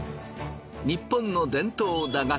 日本の伝統打